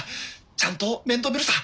ちゃんと面倒見るさ。